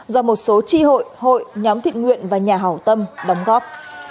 do một số tri hội hội nhóm thiện nguyện và nhà hảo tâm đóng góp